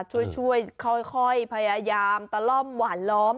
ช่วยค่อยพยายามตะล่อมหวานล้อม